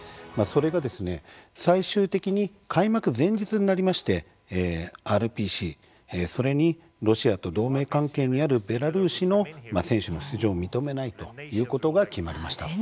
それがですね、最終的に開幕前日になりましてＲＰＣそれにロシアと同盟関係にあるベラルーシの選手の出場を認めないということが決まりました。